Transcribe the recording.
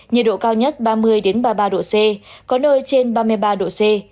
nhiệt độ cao nhất ba mươi ba mươi ba độ c có nơi trên ba mươi ba độ c